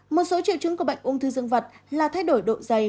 một số triệu chứng của bệnh úng thư dân vật là thay đổi độ dày